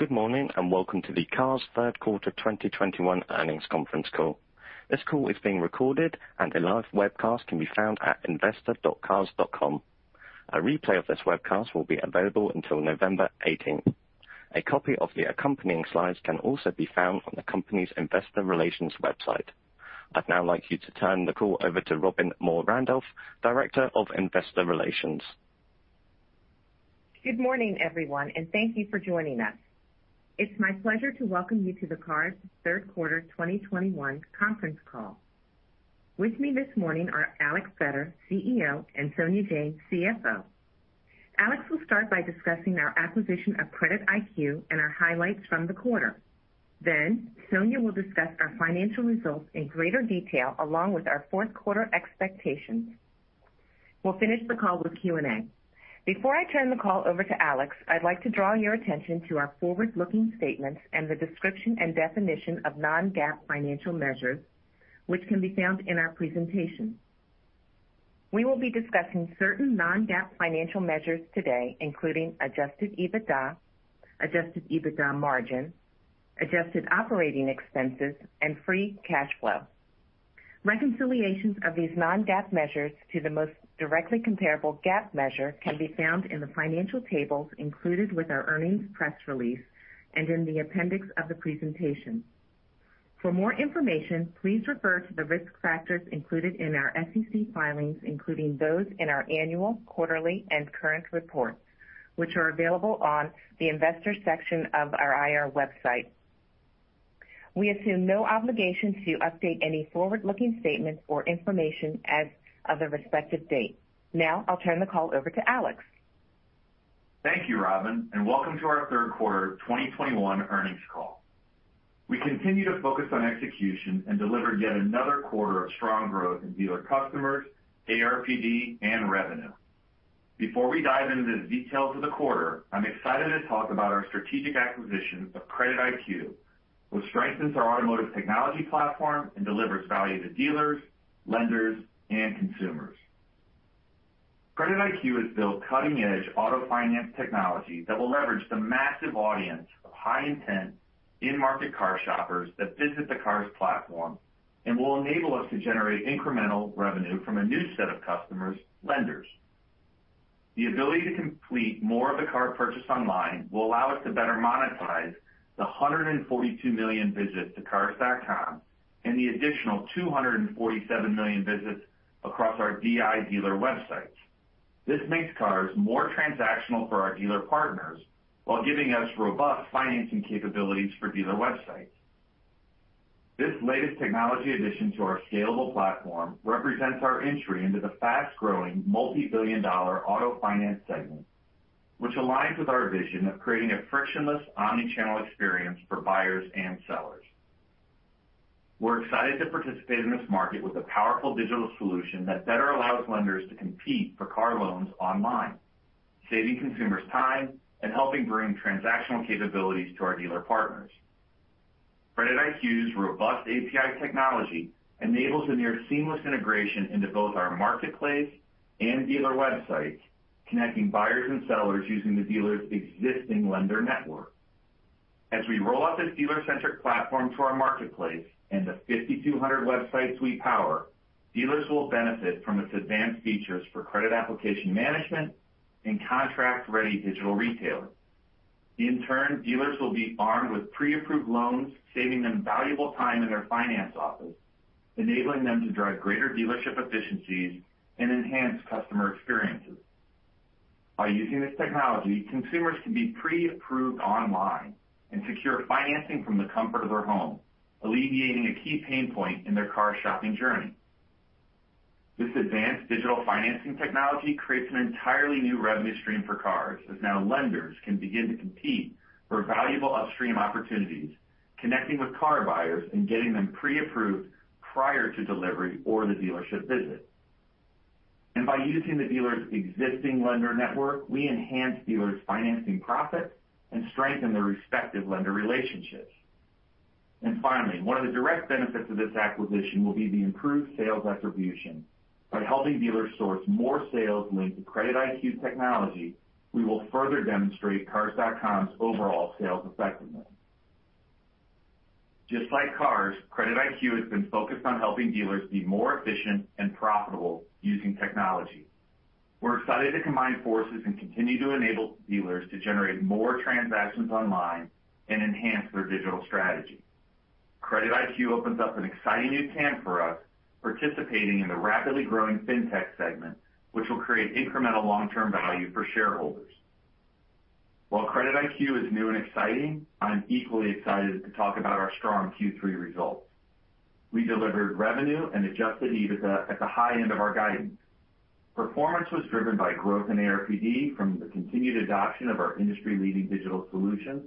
Good morning, and welcome to the Cars.com Third Quarter 2021 Earnings Conference Call. This call is being recorded, and a live webcast can be found at investor.cars.com. A replay of this webcast will be available until November 18. A copy of the accompanying slides can also be found on the company's investor relations website. I'd now like you to turn the call over to Robbin Moore-Randolph, Director of Investor Relations. Good morning, everyone, and thank you for joining us. It's my pleasure to welcome you to the Cars.com Third Quarter 2021 Conference Call. With me this morning are Alex Vetter, CEO, and Sonia Jain, CFO. Alex will start by discussing our acquisition of CreditIQ and our highlights from the quarter. Then Sonia will discuss our financial results in greater detail, along with our fourth quarter expectations. We'll finish the call with Q&A. Before I turn the call over to Alex, I'd like to draw your attention to our forward-looking statements and the description and definition of non-GAAP financial measures which can be found in our presentation. We will be discussing certain non-GAAP financial measures today, including adjusted EBITDA, adjusted EBITDA margin, adjusted operating expenses, and free cash flow. Reconciliations of these non-GAAP measures to the most directly comparable GAAP measure can be found in the financial tables included with our earnings press release and in the appendix of the presentation. For more information, please refer to the risk factors included in our SEC filings, including those in our annual, quarterly, and current reports, which are available on the investor section of our IR website. We assume no obligation to update any forward-looking statements or information as of the respective date. Now I'll turn the call over to Alex. Thank you, Robbin, and welcome to our third quarter 2021 earnings call. We continue to focus on execution and deliver yet another quarter of strong growth in dealer customers, ARPD, and revenue. Before we dive into the details of the quarter, I'm excited to talk about our strategic acquisition of CreditIQ, which strengthens our automotive technology platform and delivers value to dealers, lenders, and consumers. CreditIQ has built cutting-edge auto finance technology that will leverage the massive audience of high intent in-market car shoppers that visit the Cars.com platform and will enable us to generate incremental revenue from a new set of customers, lenders. The ability to complete more of the car purchase online will allow us to better monetize the 142 million visits to Cars.com and the additional 247 million visits across our DI dealer websites. This makes Cars.com more transactional for our dealer partners while giving us robust financing capabilities for dealer websites. This latest technology addition to our scalable platform represents our entry into the fast-growing multi-billion-dollar auto finance segment, which aligns with our vision of creating a frictionless omnichannel experience for buyers and sellers. We're excited to participate in this market with a powerful digital solution that better allows lenders to compete for car loans online, saving consumers time and helping bring transactional capabilities to our dealer partners. CreditIQ's robust API technology enables a near seamless integration into both our marketplace and dealer websites, connecting buyers and sellers using the dealer's existing lender network. As we roll out this dealer-centric platform to our marketplace and the 5,200 websites we power, dealers will benefit from its advanced features for credit application management and contract-ready digital retailing. In turn, dealers will be armed with pre-approved loans, saving them valuable time in their finance office, enabling them to drive greater dealership efficiencies and enhance customer experiences. By using this technology, consumers can be pre-approved online and secure financing from the comfort of their home, alleviating a key pain point in their car shopping journey. This advanced digital financing technology creates an entirely new revenue stream for Cars.com, as now lenders can begin to compete for valuable upstream opportunities, connecting with car buyers and getting them pre-approved prior to delivery or the dealership visit. By using the dealer's existing lender network, we enhance dealers' financing profits and strengthen their respective lender relationships. Finally, one of the direct benefits of this acquisition will be the improved sales attribution. By helping dealers source more sales linked to CreditIQ technology, we will further demonstrate Cars.com's overall sales effectiveness. Just like Cars.com, CreditIQ has been focused on helping dealers be more efficient and profitable using technology. We're excited to combine forces and continue to enable dealers to generate more transactions online and enhance their digital strategy. CreditIQ opens up an exciting new TAM for us, participating in the rapidly growing fintech segment, which will create incremental long-term value for shareholders. While CreditIQ is new and exciting, I am equally excited to talk about our strong Q3 results. We delivered revenue and adjusted EBITDA at the high end of our guidance. Performance was driven by growth in ARPD from the continued adoption of our industry-leading digital solutions,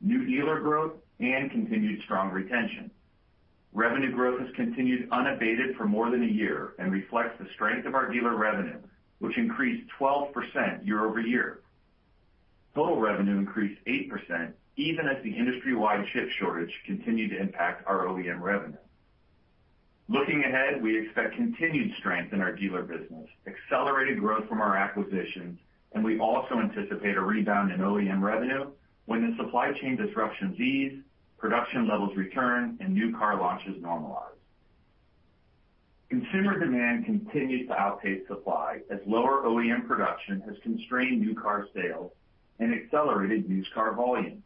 new dealer growth, and continued strong retention. Revenue growth has continued unabated for more than a year and reflects the strength of our dealer revenue, which increased 12% year-over-year. Total revenue increased 8% even as the industry-wide chip shortage continued to impact our OEM revenue. Looking ahead, we expect continued strength in our dealer business, accelerated growth from our acquisitions, and we also anticipate a rebound in OEM revenue when the supply chain disruptions ease, production levels return, and new car launches normalize. Consumer demand continues to outpace supply as lower OEM production has constrained new car sales and accelerated used car volume.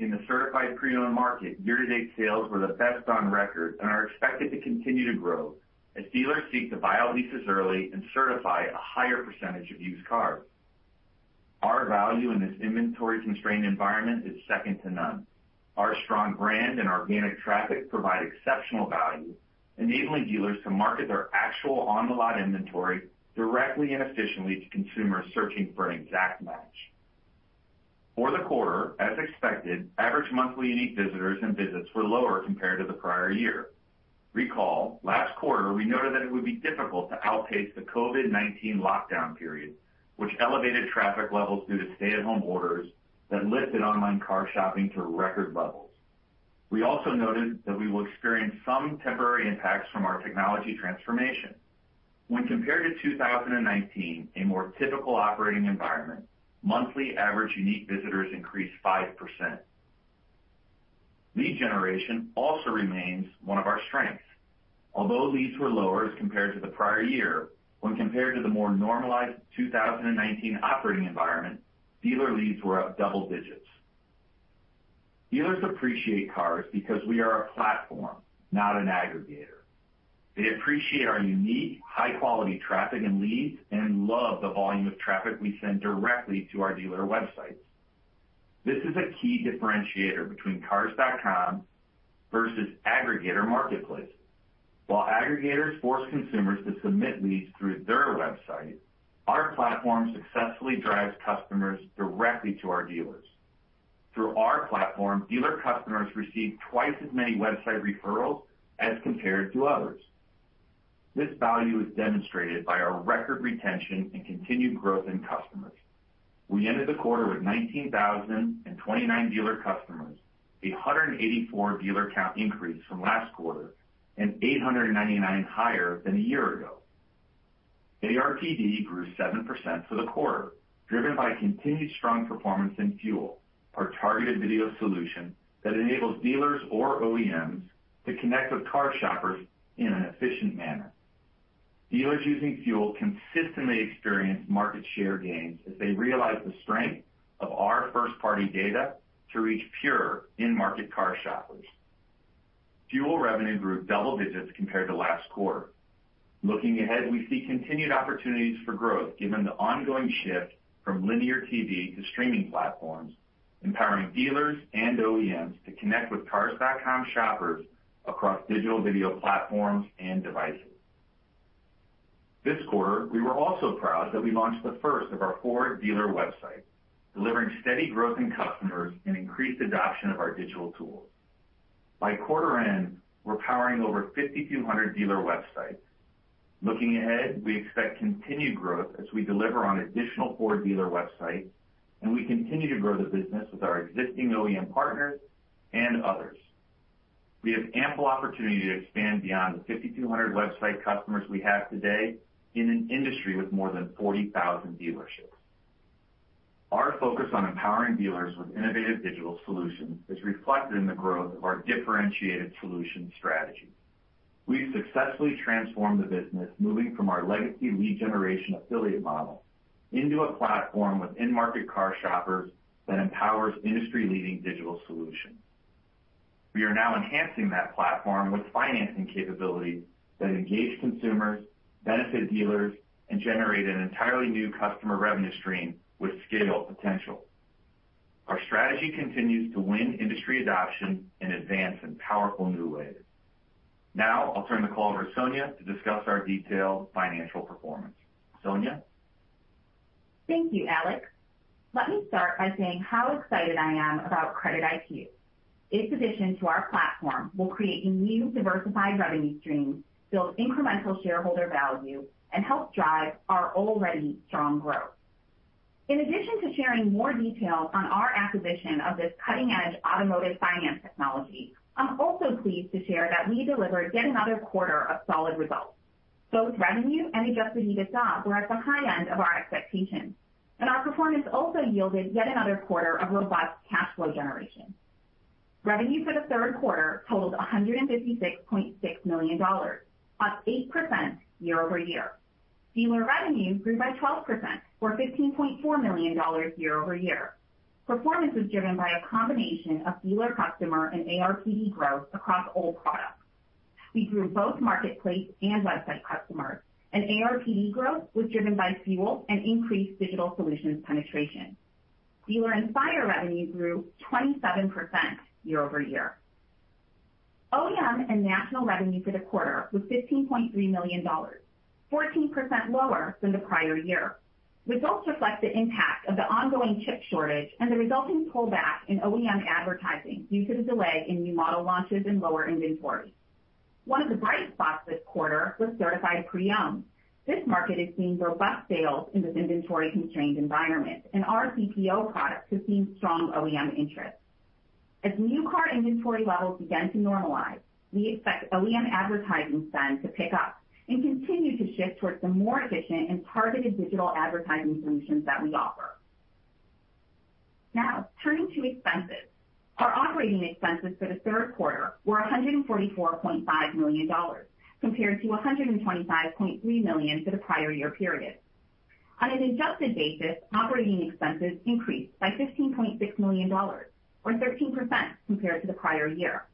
In the certified pre-owned market, year-to-date sales were the best on record and are expected to continue to grow as dealers seek to buy out leases early and certify a higher percentage of used cars. Our value in this inventory-constrained environment is second to none. Our strong brand and organic traffic provide exceptional value, enabling dealers to market their actual on-the-lot inventory directly and efficiently to consumers searching for an exact match. For the quarter, as expected, average monthly unique visitors and visits were lower compared to the prior year. Recall, last quarter we noted that it would be difficult to outpace the COVID-19 lockdown period, which elevated traffic levels due to stay-at-home orders that lifted online car shopping to record levels. We also noted that we will experience some temporary impacts from our technology transformation. When compared to 2019, a more typical operating environment, monthly average unique visitors increased 5%. Lead generation also remains one of our strengths. Although leads were lower as compared to the prior year, when compared to the more normalized 2019 operating environment, dealer leads were up double digits. Dealers appreciate Cars.com because we are a platform, not an aggregator. They appreciate our unique high-quality traffic and leads and love the volume of traffic we send directly to our dealer websites. This is a key differentiator between Cars.com versus aggregator marketplace. While aggregators force consumers to submit leads through their website, our platform successfully drives customers directly to our dealers. Through our platform, dealer customers receive twice as many website referrals as compared to others. This value is demonstrated by our record retention and continued growth in customers. We ended the quarter with 19,029 dealer customers, 184 dealer count increase from last quarter, and 899 higher than a year ago. ARPD grew 7% for the quarter, driven by continued strong performance in FUEL, our targeted video solution that enables dealers or OEMs to connect with car shoppers in an efficient manner. Dealers using FUEL consistently experience market share gains as they realize the strength of our first-party data to reach pure in-market car shoppers. FUEL revenue grew double digits compared to last quarter. Looking ahead, we see continued opportunities for growth given the ongoing shift from linear TV to streaming platforms, empowering dealers and OEMs to connect with Cars.com shoppers across digital video platforms and devices. This quarter, we were also proud that we launched the first of our Ford dealer website, delivering steady growth in customers and increased adoption of our digital tools. By quarter end, we're powering over 5,200 dealer websites. Looking ahead, we expect continued growth as we deliver on additional Ford dealer websites, and we continue to grow the business with our existing OEM partners and others. We have ample opportunity to expand beyond the 5,200 website customers we have today in an industry with more than 40,000 dealerships. Our focus on empowering dealers with innovative digital solutions is reflected in the growth of our differentiated solutions strategy. We've successfully transformed the business, moving from our legacy lead generation affiliate model into a platform with in-market car shoppers that empowers industry-leading digital solutions. We are now enhancing that platform with financing capabilities that engage consumers, benefit dealers, and generate an entirely new customer revenue stream with scale potential. Our strategy continues to win industry adoption and advance in powerful new ways. Now I'll turn the call over to Sonia to discuss our detailed financial performance. Sonia? Thank you, Alex. Let me start by saying how excited I am about CreditIQ. Its addition to our platform will create a new diversified revenue stream, build incremental shareholder value, and help drive our already strong growth. In addition to sharing more details on our acquisition of this cutting-edge automotive finance technology, I'm also pleased to share that we delivered yet another quarter of solid results. Both revenue and adjusted EBITDA were at the high end of our expectations, and our performance also yielded yet another quarter of robust cash flow generation. Revenue for the third quarter totaled $156.6 million, up 8% year-over-year. Dealer revenue grew by 12% or $15.4 million year-over-year. Performance was driven by a combination of dealer customer and ARPD growth across all products. We grew both marketplace and website customers, and ARPD growth was driven by FUEL and increased digital solutions penetration. Dealer Inspire revenue grew 27% year-over-year. OEM and national revenue for the quarter was $15.3 million, 14% lower than the prior year. Results reflect the impact of the ongoing chip shortage and the resulting pullback in OEM advertising due to the delay in new model launches and lower inventory. One of the bright spots this quarter was certified pre-owned. This market has seen robust sales in this inventory-constrained environment, and our CPO products have seen strong OEM interest. As new car inventory levels begin to normalize, we expect OEM advertising spend to pick up and continue to shift towards the more efficient and targeted digital advertising solutions that we offer. Now, turning to expenses. Our operating expenses for the third quarter were $144.5 million compared to $125.3 million for the prior year period. On an adjusted basis, operating expenses increased by $15.6 million or 13% compared to the prior year.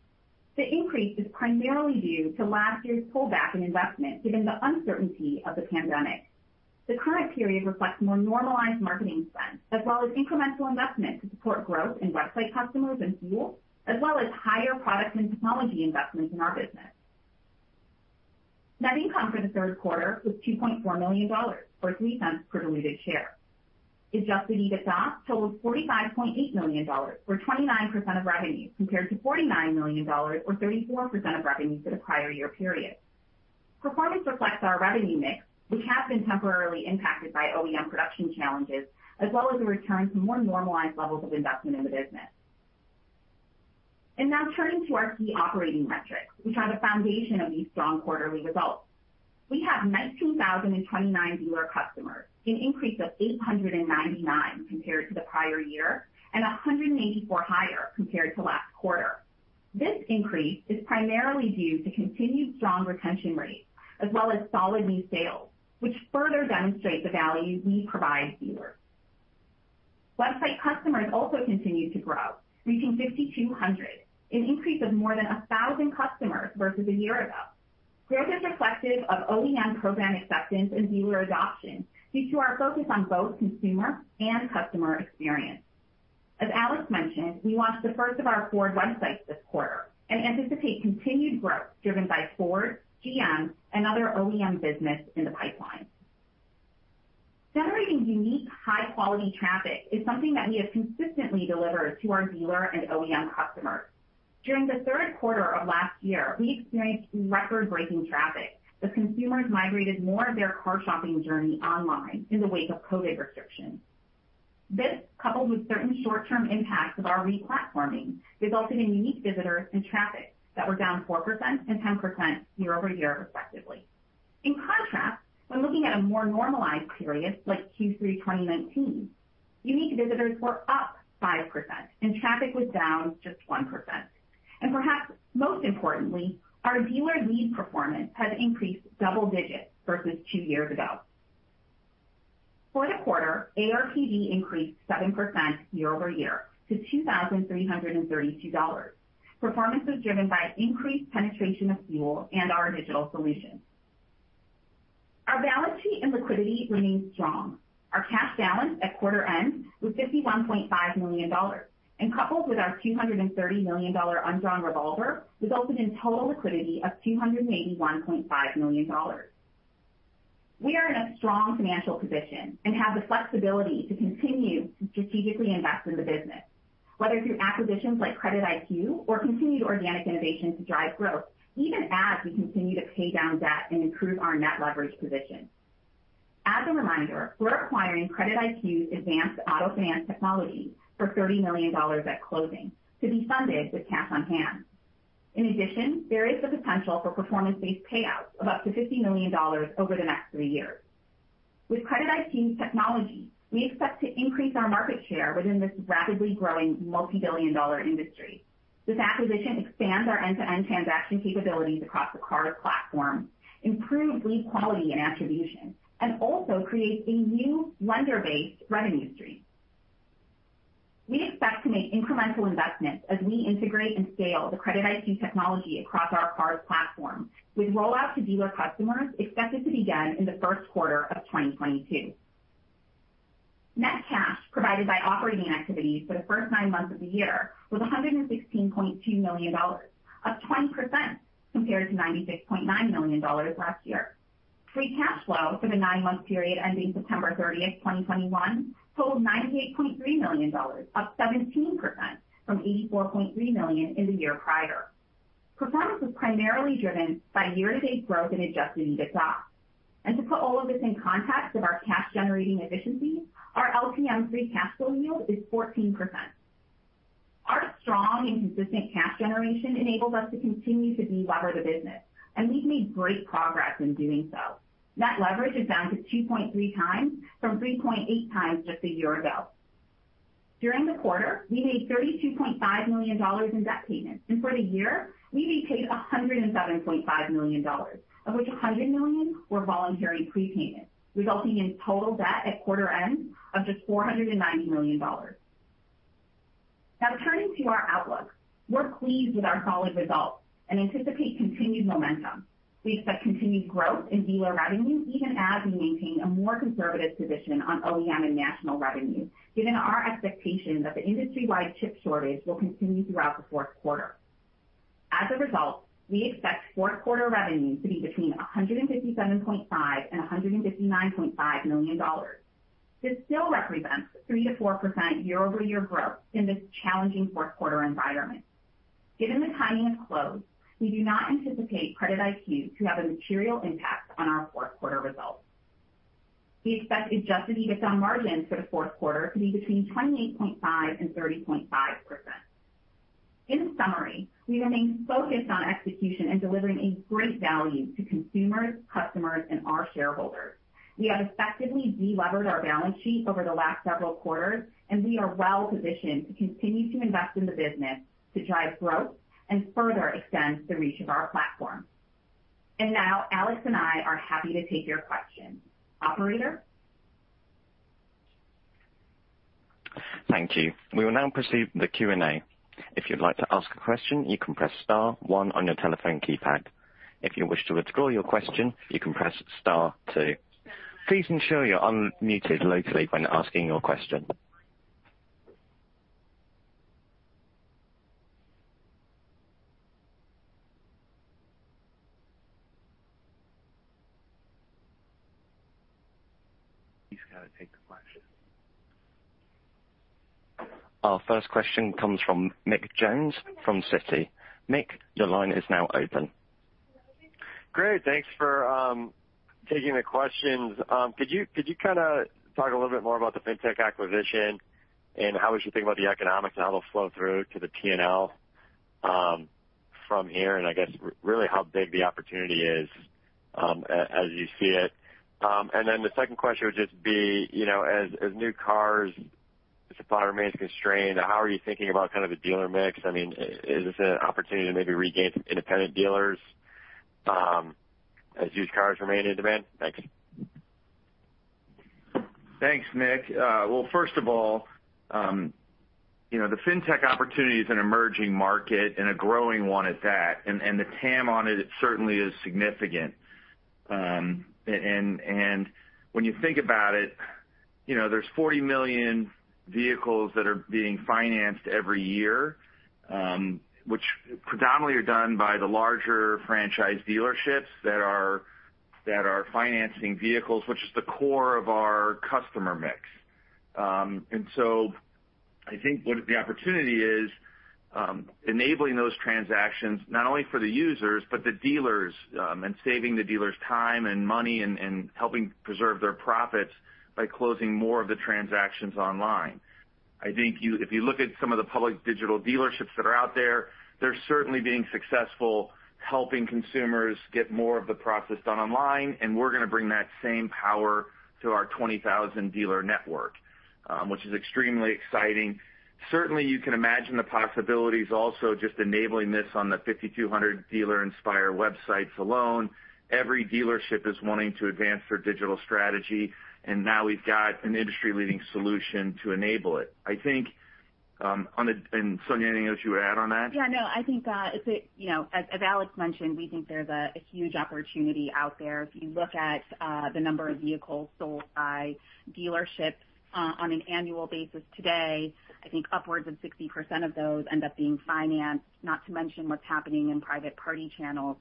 The increase is primarily due to last year's pullback in investment, given the uncertainty of the pandemic. The current period reflects more normalized marketing spend as well as incremental investment to support growth in website customers and FUEL, as well as higher product and technology investments in our business. Net income for the third quarter was $2.4 million or $0.03 per diluted share. Adjusted EBITDA totaled $45.8 million or 29% of revenue, compared to $49 million or 34% of revenue for the prior year period. Performance reflects our revenue mix, which has been temporarily impacted by OEM production challenges, as well as a return to more normalized levels of investment in the business. Now turning to our key operating metrics, which are the foundation of these strong quarterly results. We have 19,029 dealer customers, an increase of 899 compared to the prior year and 184 higher compared to last quarter. This increase is primarily due to continued strong retention rates as well as solid new sales, which further demonstrate the value we provide dealers. Website customers also continued to grow, reaching 5,200, an increase of more than 1,000 customers versus a year ago. Growth is reflective of OEM program acceptance and dealer adoption due to our focus on both consumer and customer experience. As Alex mentioned, we launched the first of our Ford websites this quarter and anticipate continued growth driven by Ford, GM, and other OEM business in the pipeline. Generating unique high-quality traffic is something that we have consistently delivered to our dealer and OEM customers. During the third quarter of last year, we experienced record-breaking traffic as consumers migrated more of their car shopping journey online in the wake of COVID restrictions. This, coupled with certain short-term impacts of our re-platforming, resulted in unique visitors and traffic that were down 4% and 10% year-over-year respectively. In contrast, when looking at a more normalized period like Q3 2019, unique visitors were up 5% and traffic was down just 1%. Perhaps most importantly, our dealer lead performance has increased double digits versus two years ago. For the quarter, ARPD increased 7% year-over-year to $2,332. Performance was driven by increased penetration of FUEL and our digital solutions. Our balance sheet and liquidity remains strong. Our cash balance at quarter end was $51.5 million, and coupled with our $230 million undrawn revolver, resulted in total liquidity of $281.5 million. We are in a strong financial position and have the flexibility to continue to strategically invest in the business, whether through acquisitions like CreditIQ or continued organic innovation to drive growth, even as we continue to pay down debt and improve our net leverage position. As a reminder, we're acquiring CreditIQ's advanced auto finance technology for $30 million at closing to be funded with cash on hand. In addition, there is the potential for performance-based payouts of up to $50 million over the next three years. With CreditIQ's technology, we expect to increase our market share within this rapidly growing multi-billion dollar industry. This acquisition expands our end-to-end transaction capabilities across the Cars.com platform, improve lead quality and attribution, and also creates a new lender-based revenue stream. We expect to make incremental investments as we integrate and scale the CreditIQ technology across our Cars.com platform, with rollout to dealer customers expected to begin in the first quarter of 2022. Net cash provided by operating activities for the first nine months of the year was $116.2 million, up 20% compared to $96.9 million last year. Free cash flow for the nine-month period ending September 30th, 2021 totaled $98.3 million, up 17% from $84.3 million in the year prior. Performance was primarily driven by year-to-date growth in adjusted EBITDA. To put all of this in context of our cash-generating efficiency, our LTM free cash flow yield is 14%. Our strong and consistent cash generation enables us to continue to delever the business, and we've made great progress in doing so. Net leverage is down to 2.3x from 3.8x just a year ago. During the quarter, we made $32.5 million in debt payments. For the year, we repaid $107.5 million, of which $100 million were voluntary prepayments, resulting in total debt at quarter end of just $490 million. Now turning to our outlook. We're pleased with our solid results and anticipate continued momentum. We expect continued growth in dealer revenue even as we maintain a more conservative position on OEM and national revenue, given our expectation that the industry-wide chip shortage will continue throughout the fourth quarter. As a result, we expect fourth quarter revenue to be between $157.5 million and $159.5 million. This still represents 3%-4% year-over-year growth in this challenging fourth quarter environment. Given the timing of close, we do not anticipate CreditIQ to have a material impact on our fourth quarter results. We expect adjusted EBITDA margin for the fourth quarter to be between 28.5% and 30.5%. In summary, we remain focused on execution and delivering a great value to consumers, customers, and our shareholders. We have effectively de-levered our balance sheet over the last several quarters, and we are well positioned to continue to invest in the business to drive growth and further extend the reach of our platform. Now Alex and I are happy to take your questions. Operator? Thank you. We will now proceed with the Q&A. If you'd like to ask a question, you can press star one on your telephone keypad. If you wish to withdraw your question, you can press star two. Please ensure you're unmuted locally when asking your question. You've got to take the question. Our first question comes from Nick Jones from Citi. Nick, your line is now open. Great. Thanks for taking the questions. Could you kinda talk a little bit more about the fintech acquisition and how we should think about the economics and how it'll flow through to the P&L from here, and I guess really how big the opportunity is, as you see it. The second question would just be, you know, as new cars supply remains constrained, how are you thinking about kind of the dealer mix? I mean, is this an opportunity to maybe regain some independent dealers, as used cars remain in demand? Thanks. Thanks, Nick. Well, first of all, you know, the fintech opportunity is an emerging market and a growing one at that, and the TAM on it certainly is significant. When you think about it, you know, there's 40 million vehicles that are being financed every year, which predominantly are done by the larger franchise dealerships that are financing vehicles, which is the core of our customer mix. I think what the opportunity is enabling those transactions not only for the users but the dealers, and saving the dealers time and money and helping preserve their profits by closing more of the transactions online. I think if you look at some of the public digital dealerships that are out there, they're certainly being successful helping consumers get more of the process done online, and we're gonna bring that same power to our 20,000 dealer network, which is extremely exciting. Certainly, you can imagine the possibilities also just enabling this on the 5,200 Dealer Inspire websites alone. Every dealership is wanting to advance their digital strategy, and now we've got an industry-leading solution to enable it. I think and Sonia, anything else you would add on that? Yeah, no. I think it's you know, as Alex mentioned, we think there's a huge opportunity out there. If you look at the number of vehicles sold by dealerships on an annual basis today, I think upwards of 60% of those end up being financed, not to mention what's happening in private party channels.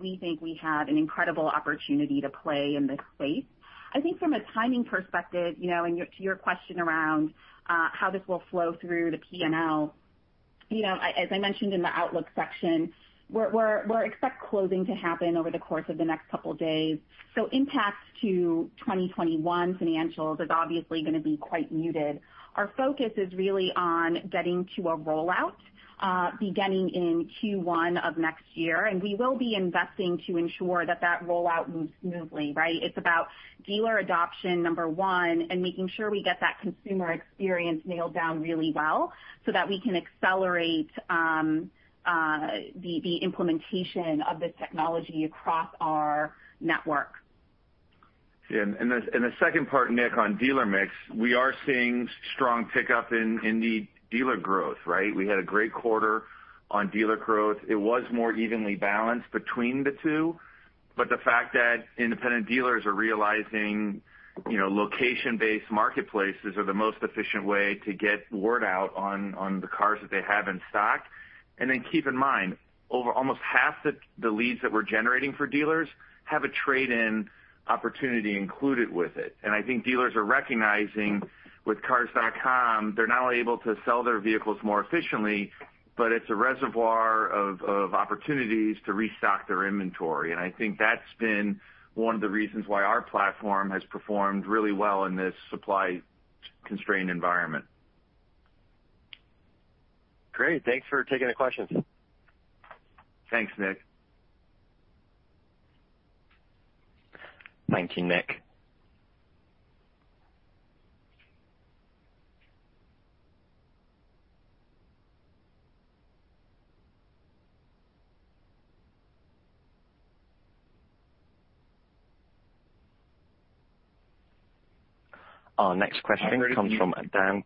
We think we have an incredible opportunity to play in this space. I think from a timing perspective, you know, and to your question around how this will flow through the P&L, you know, as I mentioned in the outlook section, we're expect closing to happen over the course of the next couple days. Impacts to 2021 financials is obviously gonna be quite muted. Our focus is really on getting to a rollout, beginning in Q1 of next year, and we will be investing to ensure that that rollout moves smoothly, right? It's about dealer adoption, number one, and making sure we get that consumer experience nailed down really well so that we can accelerate the implementation of this technology across our network. Yeah. The second part, Nick, on dealer mix, we are seeing strong pickup in the dealer growth, right? We had a great quarter on dealer growth. It was more evenly balanced between the two. The fact that independent dealers are realizing, you know, location-based marketplaces are the most efficient way to get word out on the cars that they have in stock. Then keep in mind, over almost half the leads that we're generating for dealers have a trade-in opportunity included with it. I think dealers are recognizing with Cars.com, they're not only able to sell their vehicles more efficiently, but it's a reservoir of opportunities to restock their inventory. I think that's been one of the reasons why our platform has performed really well in this supply-constrained environment. Great. Thanks for taking the questions. Thanks, Nick. Thank you, Nick. Our next question comes from Dan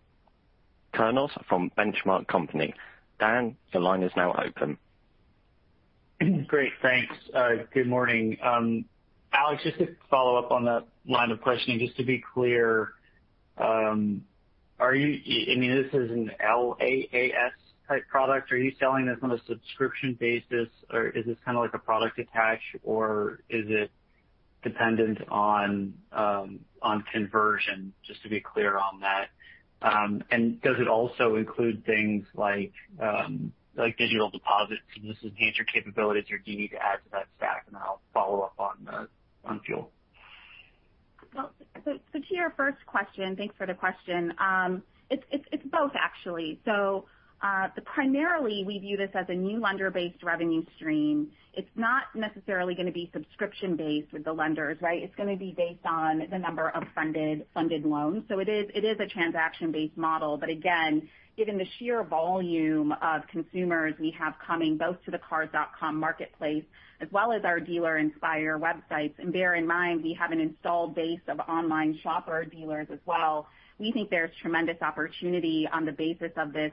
Kurnos from Benchmark Company. Dan, your line is now open. Great, thanks. Good morning. Alex, just to follow up on that line of questioning, just to be clear, I mean, this is a LaaS type product. Are you selling this on a subscription basis, or is this kinda like a product attach, or is it dependent on conversion? Just to be clear on that. Does it also include things like digital deposits? Is this future capabilities or do you need to add to that stack? I'll follow up on the FUEL. Well, to your first question, thanks for the question. It's both actually. Primarily we view this as a new lender-based revenue stream. It's not necessarily gonna be subscription-based with the lenders, right? It's gonna be based on the number of funded loans. It is a transaction-based model. Again, given the sheer volume of consumers we have coming both to the Cars.com marketplace as well as our Dealer Inspire websites, and bear in mind, we have an installed base of Online Shopper dealers as well, we think there's tremendous opportunity on the basis of this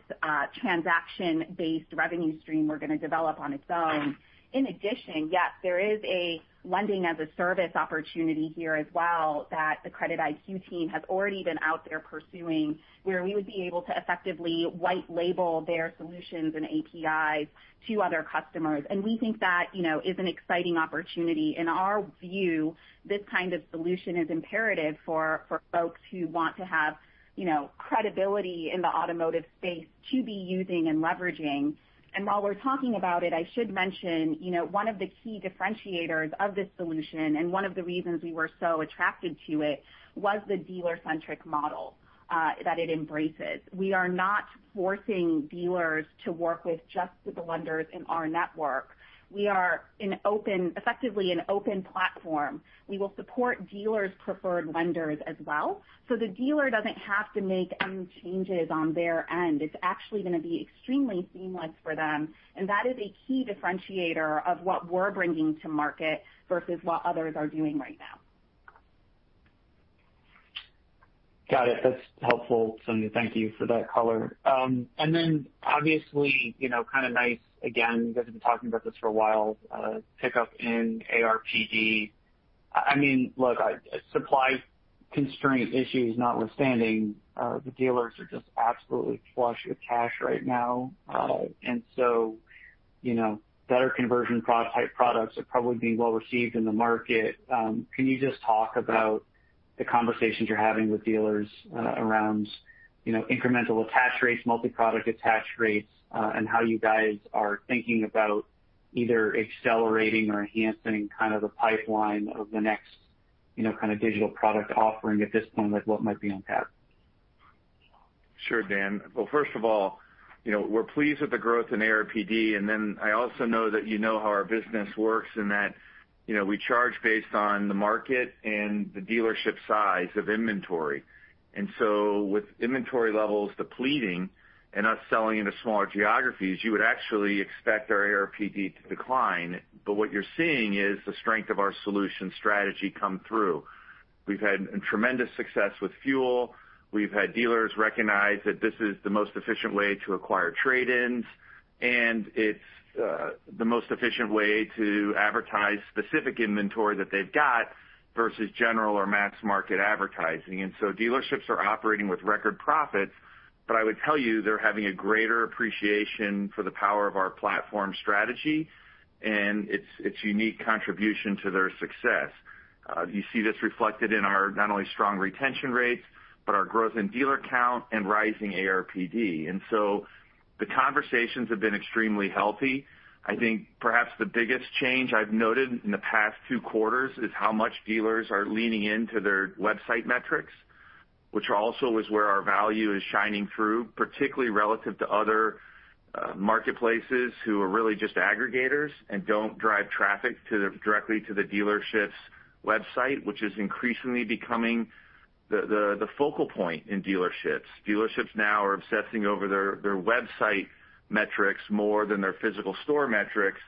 transaction-based revenue stream we're gonna develop on its own. In addition, yes, there is a lending as a service opportunity here as well that the CreditIQ team has already been out there pursuing, where we would be able to effectively white label their solutions and APIs to other customers. We think that, you know, is an exciting opportunity. In our view, this kind of solution is imperative for folks who want to have, you know, credibility in the automotive space to be using and leveraging. While we're talking about it, I should mention, you know, one of the key differentiators of this solution and one of the reasons we were so attracted to it was the dealer-centric model that it embraces. We are not forcing dealers to work with just the lenders in our network. We are effectively an open platform. We will support dealers' preferred lenders as well. The dealer doesn't have to make any changes on their end. It's actually gonna be extremely seamless for them, and that is a key differentiator of what we're bringing to market versus what others are doing right now. Got it. That's helpful, Sonia. Thank you for that color. Obviously, you know, kinda nice, again, you guys have been talking about this for a while, pickup in ARPD. I mean, look, supply constraint issues notwithstanding, the dealers are just absolutely flush with cash right now. You know, better conversion product-type products are probably being well received in the market. Can you just talk about the conversations you're having with dealers, around, you know, incremental attach rates, multi-product attach rates, and how you guys are thinking about either accelerating or enhancing kind of the pipeline of the next, you know, kind of digital product offering at this point, like what might be on tap? Sure, Dan. Well, first of all, you know, we're pleased with the growth in ARPD, and then I also know that you know how our business works and that, you know, we charge based on the market and the dealership size of inventory. With inventory levels depleting and us selling into smaller geographies, you would actually expect our ARPD to decline. What you're seeing is the strength of our solution strategy come through. We've had tremendous success with FUEL. We've had dealers recognize that this is the most efficient way to acquire trade-ins, and it's the most efficient way to advertise specific inventory that they've got versus general or mass market advertising. Dealerships are operating with record profits, but I would tell you they're having a greater appreciation for the power of our platform strategy and its unique contribution to their success. You see this reflected in our not only strong retention rates, but our growth in dealer count and rising ARPD. The conversations have been extremely healthy. I think perhaps the biggest change I've noted in the past two quarters is how much dealers are leaning into their website metrics, which also is where our value is shining through, particularly relative to other marketplaces who are really just aggregators and don't drive traffic directly to the dealership's website, which is increasingly becoming the focal point in dealerships. Dealerships now are obsessing over their website metrics more than their physical store metrics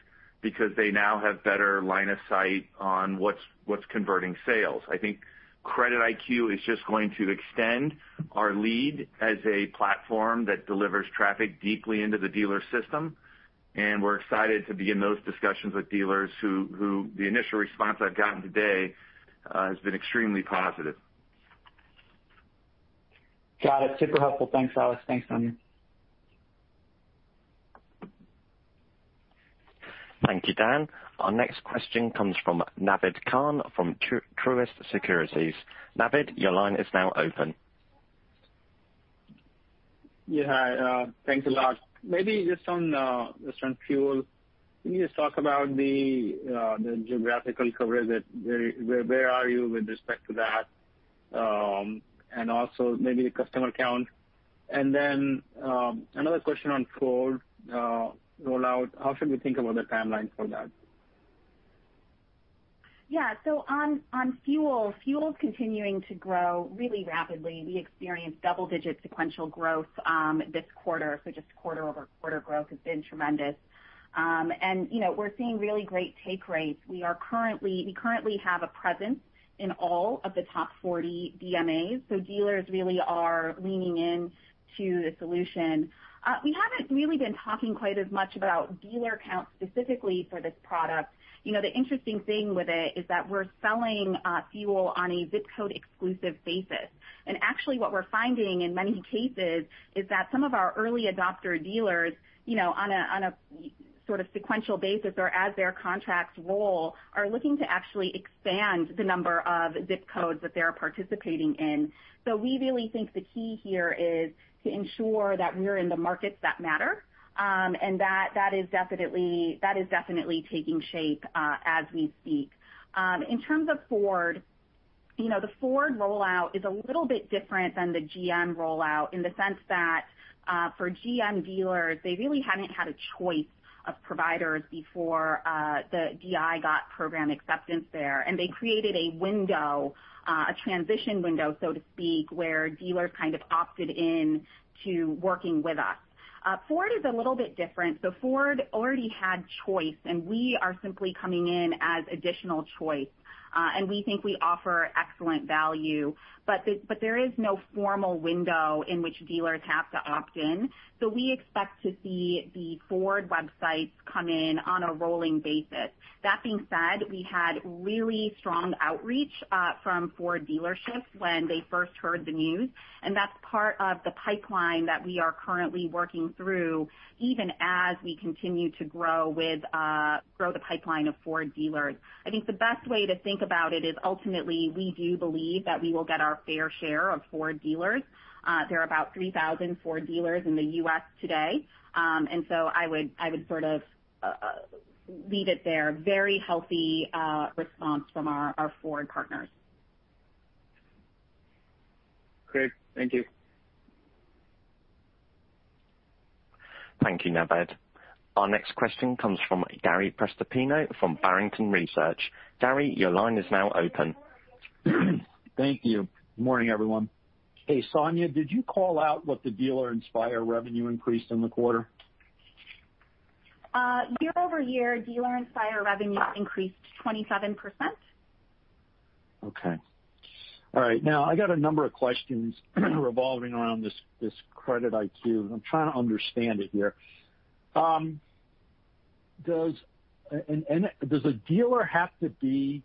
because they now have better line of sight on what's converting sales. I think CreditIQ is just going to extend our lead as a platform that delivers traffic deeply into the dealer system, and we're excited to be in those discussions with dealers, the initial response I've gotten today has been extremely positive. Got it. Super helpful. Thanks, Alex. Thanks, Sonia. Thank you, Dan. Our next question comes from Naved Khan from Truist Securities. Naved, your line is now open. Yeah. Thanks a lot. Maybe just on FUEL. Can you just talk about the geographical coverage where you are with respect to that? Also maybe the customer count. Another question on Ford rollout. How should we think about the timeline for that? Yeah. On FUEL's continuing to grow really rapidly. We experienced double-digit sequential growth this quarter. Just quarter-over-quarter growth has been tremendous. And you know, we're seeing really great take rates. We currently have a presence in all of the top 40 DMAs, so dealers really are leaning in to the solution. We haven't really been talking quite as much about dealer count specifically for this product. You know, the interesting thing with it is that we're selling FUEL on a ZIP code exclusive basis. And actually what we're finding in many cases is that some of our early adopter dealers, you know, on a year-over-year sort of sequential basis or as their contracts roll, are looking to actually expand the number of ZIP codes that they're participating in. We really think the key here is to ensure that we're in the markets that matter. That is definitely taking shape as we speak. In terms of Ford, you know, the Ford rollout is a little bit different than the GM rollout in the sense that for GM dealers, they really haven't had a choice of providers before the DI got program acceptance there, and they created a window, a transition window, so to speak, where dealers kind of opted in to working with us. Ford is a little bit different. Ford already had choice, and we are simply coming in as additional choice. We think we offer excellent value, but there is no formal window in which dealers have to opt in. We expect to see the Ford websites come in on a rolling basis. That being said, we had really strong outreach from Ford dealerships when they first heard the news, and that's part of the pipeline that we are currently working through, even as we continue to grow the pipeline of Ford dealers. I think the best way to think about it is ultimately, we do believe that we will get our fair share of Ford dealers. There are about 3,000 Ford dealers in the U.S. today. I would sort of leave it there. Very healthy response from our Ford partners. Great. Thank you. Thank you, Naved. Our next question comes from Gary Prestopino from Barrington Research. Gary, your line is now open. Thank you. Morning, everyone. Hey, Sonia, did you call out what the Dealer Inspire revenue increased in the quarter? Year-over-year, Dealer Inspire revenue increased 27%. Okay. All right. Now, I got a number of questions revolving around this CreditIQ. I'm trying to understand it here. Does a dealer have to be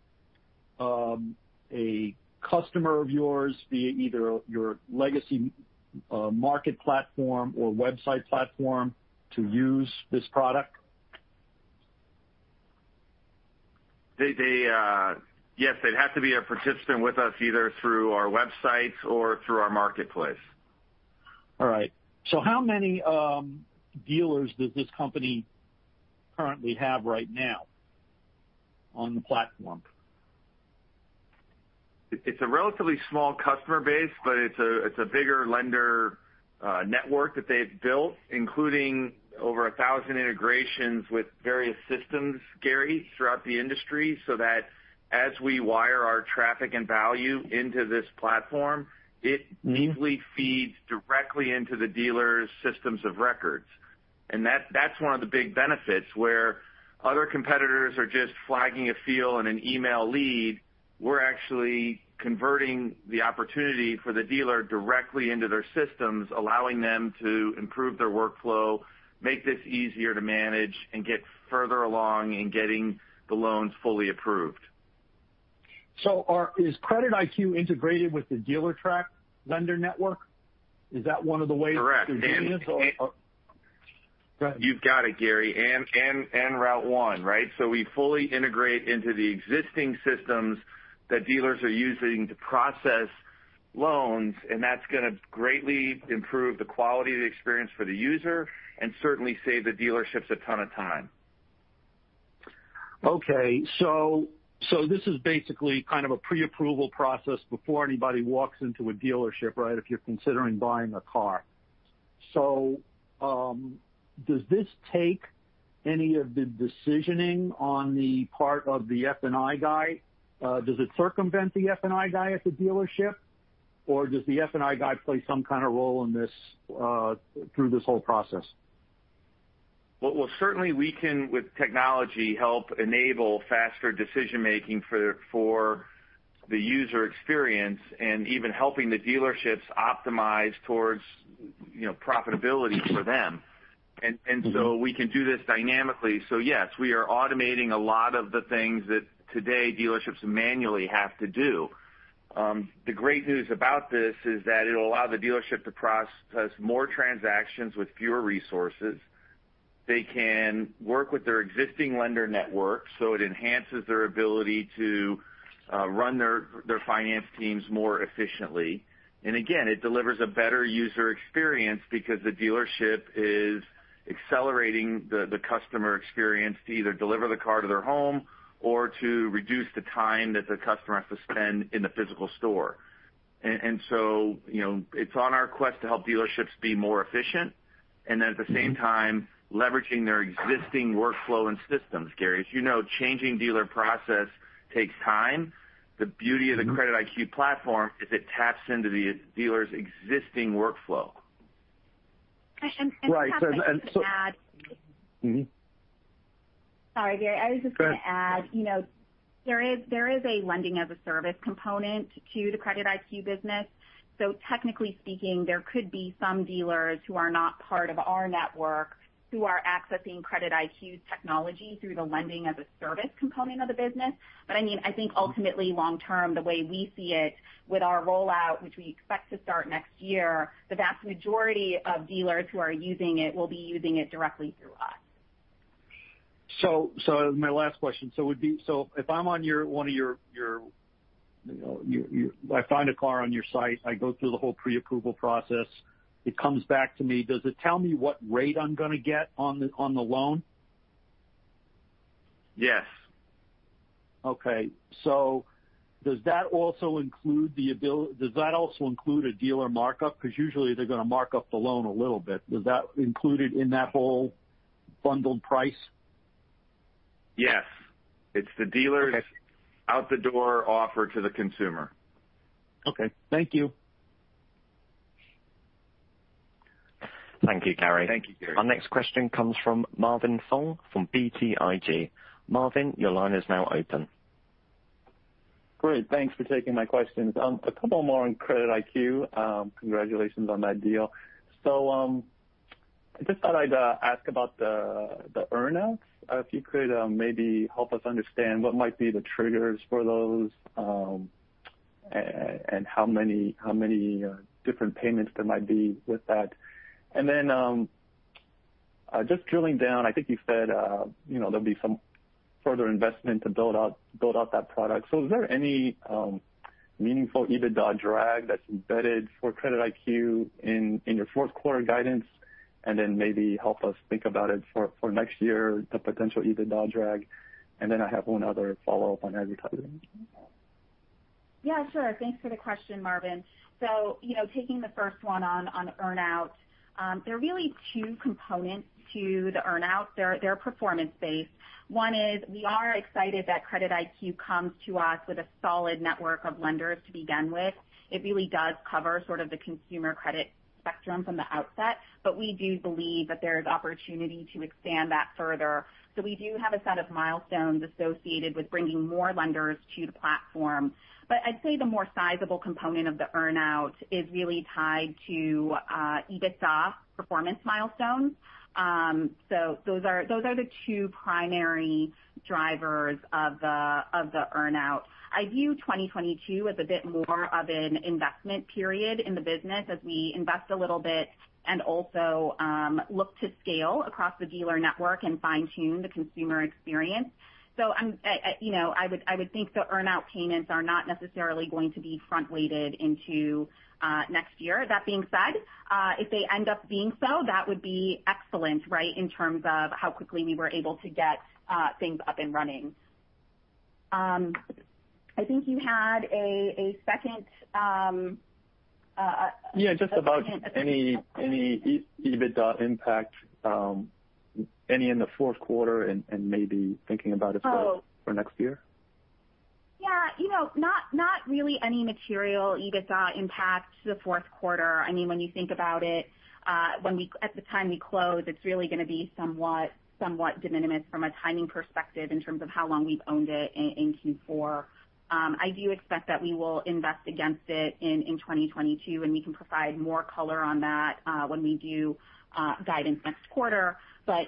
a customer of yours, via either your legacy market platform or website platform to use this product? They, yes, they'd have to be a participant with us, either through our websites or through our marketplace. All right. How many dealers does this company currently have right now on the platform? It's a relatively small customer base, but it's a bigger lender network that they've built, including over 1,000 integrations with various systems, Gary, throughout the industry, so that as we wire our traffic and value into this platform, it neatly feeds directly into the dealers' systems of records. That's one of the big benefits, where other competitors are just flagging a field and an email lead, we're actually converting the opportunity for the dealer directly into their systems, allowing them to improve their workflow, make this easier to manage, and get further along in getting the loans fully approved. Is CreditIQ integrated with the Dealertrack lender network? Is that one of the ways- Correct. It's being used? Or go ahead. You've got it, Gary. RouteOne, right? We fully integrate into the existing systems that dealers are using to process loans, and that's gonna greatly improve the quality of the experience for the user and certainly save the dealerships a ton of time. This is basically kind of a pre-approval process before anybody walks into a dealership, right, if you're considering buying a car. Does this take any of the decisioning on the part of the F&I guy? Does it circumvent the F&I guy at the dealership, or does the F&I guy play some kind of role in this through this whole process? Well, we can with technology help enable faster decision-making for the user experience and even helping the dealerships optimize toward, you know, profitability for them. Mm-hmm. We can do this dynamically. Yes, we are automating a lot of the things that today dealerships manually have to do. The great news about this is that it'll allow the dealership to process more transactions with fewer resources. They can work with their existing lender network, so it enhances their ability to run their finance teams more efficiently. Again, it delivers a better user experience because the dealership is accelerating the customer experience to either deliver the car to their home or to reduce the time that the customer has to spend in the physical store. You know, it's on our quest to help dealerships be more efficient and at the same time leveraging their existing workflow and systems, Gary. As you know, changing dealer process takes time. The beauty of the CreditIQ platform is that it taps into the dealer's existing workflow. Right. Tom, I was just gonna add. Mm-hmm. Sorry, Gary. I was just gonna add. Go ahead. You know, there is a lending as a service component to the CreditIQ business. Technically speaking, there could be some dealers who are not part of our network who are accessing CreditIQ's technology through the lending as a service component of the business. I mean, I think ultimately long term, the way we see it with our rollout, which we expect to start next year, the vast majority of dealers who are using it will be using it directly through us. My last question would be if I'm on your site, you know, I find a car on your site, I go through the whole pre-approval process, it comes back to me. Does it tell me what rate I'm gonna get on the loan? Yes. Okay. Does that also include a dealer markup? Because usually they're gonna mark up the loan a little bit. Is that included in that whole bundled price? Yes. It's the dealer's. Okay. Out-the-door offer to the consumer. Okay. Thank you. Thank you, Gary. Thank you, Gary. Our next question comes from Marvin Fong from BTIG. Marvin, your line is now open. Great. Thanks for taking my questions. A couple more on CreditIQ. Congratulations on that deal. I just thought I'd ask about the earn out. If you could maybe help us understand what might be the triggers for those and how many different payments there might be with that. Then just drilling down, I think you said, you know, there'll be some further investment to build out that product. Is there any meaningful EBITDA drag that's embedded for CreditIQ in your fourth quarter guidance? Then maybe help us think about it for next year, the potential EBITDA drag. Then I have one other follow-up on advertising. Yeah, sure. Thanks for the question, Marvin. You know, taking the first one on earn out, there are really two components to the earn out. They're performance-based. One is we are excited that CreditIQ comes to us with a solid network of lenders to begin with. It really does cover sort of the consumer credit spectrum from the outset, but we do believe that there's opportunity to expand that further. We do have a set of milestones associated with bringing more lenders to the platform. I'd say the more sizable component of the earn out is really tied to EBITDA performance milestones. Those are the two primary drivers of the earn out. I view 2022 as a bit more of an investment period in the business as we invest a little bit and also look to scale across the dealer network and fine-tune the consumer experience. I'm, you know, I would think the earn-out payments are not necessarily going to be front-weighted into next year. That being said, if they end up being so, that would be excellent, right, in terms of how quickly we were able to get things up and running. I think you had a second... Yeah, just about any EBITDA impact, any in the fourth quarter and maybe thinking about as well for next year. Yeah. You know, not really any material EBITDA impact to the fourth quarter. I mean, when you think about it, at the time we close, it's really gonna be somewhat de minimis from a timing perspective in terms of how long we've owned it in Q4. I do expect that we will invest against it in 2022, and we can provide more color on that when we do guidance next quarter.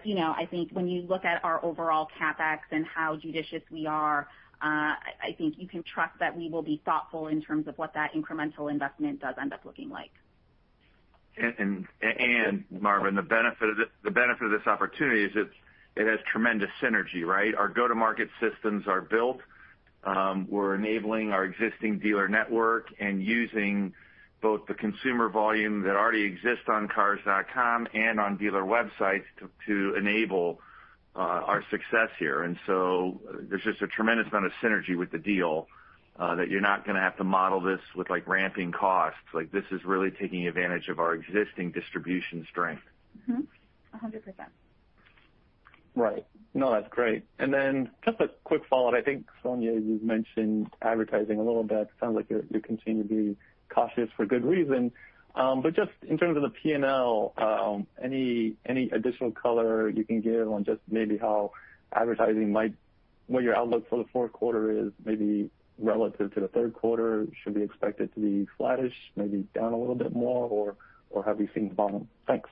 You know, I think when you look at our overall CapEx and how judicious we are, I think you can trust that we will be thoughtful in terms of what that incremental investment does end up looking like. Marvin, the benefit of this opportunity is it has tremendous synergy, right? Our go-to-market systems are built. We're enabling our existing dealer network and using both the consumer volume that already exists on Cars.com and on dealer websites to enable our success here. So there's just a tremendous amount of synergy with the deal that you're not gonna have to model this with like ramping costs. Like, this is really taking advantage of our existing distribution strength. 100%. Right. No, that's great. Just a quick follow-up. I think, Sonia, you've mentioned advertising a little bit. Sounds like you continue to be cautious for good reason. But just in terms of the P&L, any additional color you can give on just maybe what your outlook for the fourth quarter is maybe relative to the third quarter? Should we expect it to be flattish, maybe down a little bit more, or have we seen the bottom? Thanks.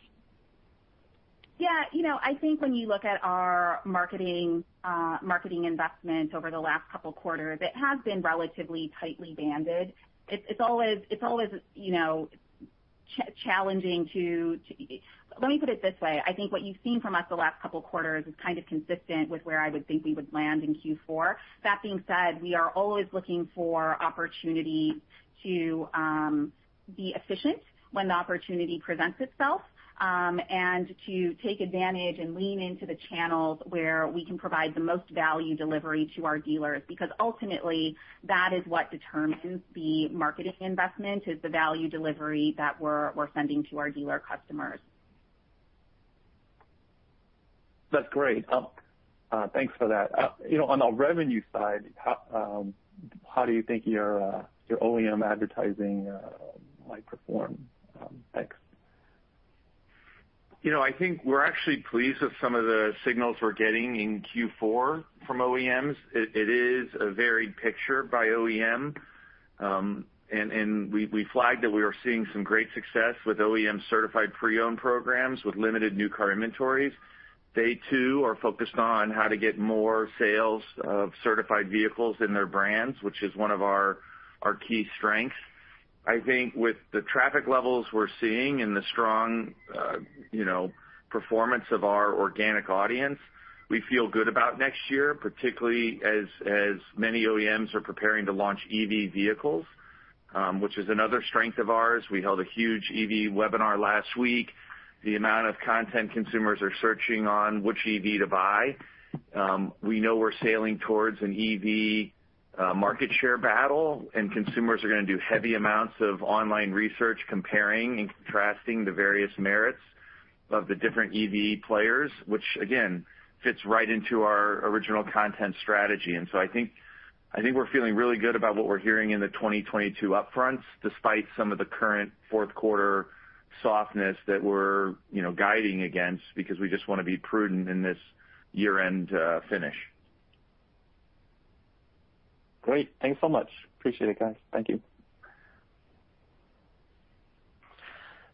Yeah. You know, I think when you look at our marketing investments over the last couple quarters, it has been relatively tightly banded. It's always, you know, challenging. Let me put it this way. I think what you've seen from us the last couple quarters is kind of consistent with where I would think we would land in Q4. That being said, we are always looking for opportunity to be efficient when the opportunity presents itself, and to take advantage and lean into the channels where we can provide the most value delivery to our dealers, because ultimately that is what determines the marketing investment, is the value delivery that we're sending to our dealer customers. That's great. Thanks for that. You know, on the revenue side, how do you think your OEM advertising might perform? Thanks. You know, I think we're actually pleased with some of the signals we're getting in Q4 from OEMs. It is a varied picture by OEM. We flagged that we are seeing some great success with OEM certified pre-owned programs with limited new car inventories. They too are focused on how to get more sales of certified vehicles in their brands, which is one of our key strengths. I think with the traffic levels we're seeing and the strong, you know, performance of our organic audience, we feel good about next year, particularly as many OEMs are preparing to launch EV vehicles, which is another strength of ours. We held a huge EV webinar last week. The amount of content consumers are searching on which EV to buy. We know we're sailing towards an EV market share battle, and consumers are gonna do heavy amounts of online research comparing and contrasting the various merits of the different EV players, which again fits right into our original content strategy. I think we're feeling really good about what we're hearing in the 2022 upfronts, despite some of the current fourth quarter softness that we're, you know, guiding against because we just wanna be prudent in this year-end finish. Great. Thanks so much. Appreciate it, guys. Thank you.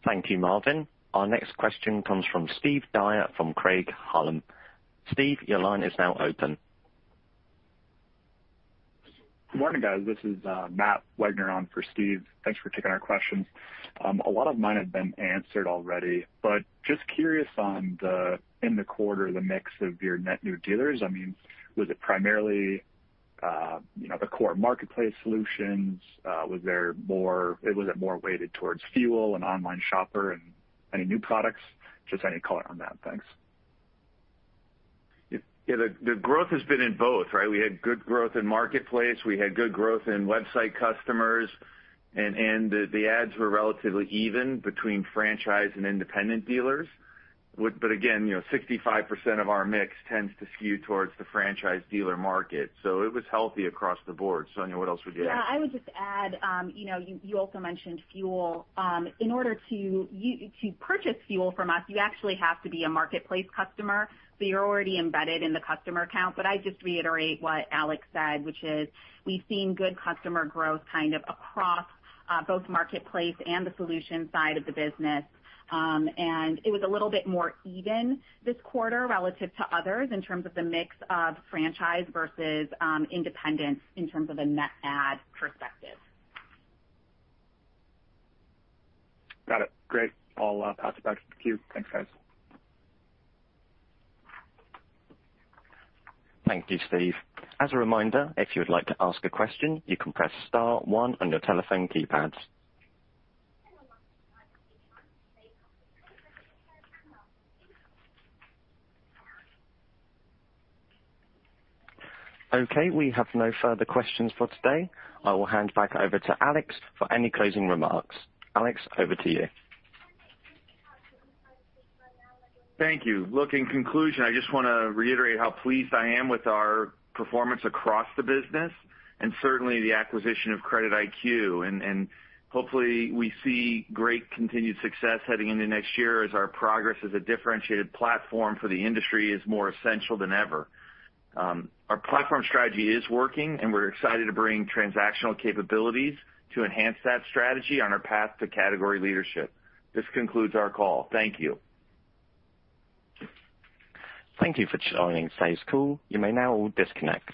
Thank you, Marvin. Our next question comes from Steve Dyer from Craig-Hallum. Steve, your line is now open. Good morning, guys. This is Matt Wegner on for Steve. Thanks for taking our questions. A lot of mine have been answered already, but just curious on the, in the quarter, the mix of your net new dealers. I mean, was it primarily, you know, the core marketplace solutions? Was there more? Was it more weighted towards FUEL and Online Shopper and any new products? Just any color on that. Thanks. Yeah, the growth has been in both, right? We had good growth in marketplace. We had good growth in website customers and the ads were relatively even between franchise and independent dealers. But again, you know, 65% of our mix tends to skew towards the franchise dealer market, so it was healthy across the board. Sonia, what else would you add? Yeah. I would just add, you know, you also mentioned FUEL. In order to purchase FUEL from us, you actually have to be a marketplace customer, so you're already embedded in the customer account. I just reiterate what Alex said, which is we've seen good customer growth kind of across both marketplace and the solution side of the business. It was a little bit more even this quarter relative to others in terms of the mix of franchise versus independents in terms of a net ad perspective. Got it. Great. I'll pass it back to the queue. Thanks, guys. Thank you, Matt. As a reminder, if you would like to ask a question, you can press star one on your telephone keypads. Okay, we have no further questions for today. I will hand back over to Alex for any closing remarks. Alex, over to you. Thank you. Look, in conclusion, I just wanna reiterate how pleased I am with our performance across the business and certainly the acquisition of CreditIQ. Hopefully we see great continued success heading into next year as our progress as a differentiated platform for the industry is more essential than ever. Our platform strategy is working, and we're excited to bring transactional capabilities to enhance that strategy on our path to category leadership. This concludes our call. Thank you. Thank you for joining today's call. You may now disconnect.